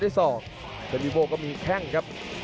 เผ็ดพีโว้ก็มีแค้งครับ